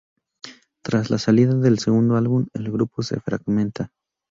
Tras la salida del segundo álbum el grupo se fragmenta.